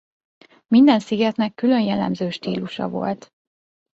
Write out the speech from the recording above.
Minden szigetnek külön jellemző stílusa volt.